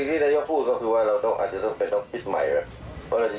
ลูกเก่าจะไปย้ายกันอย่างไร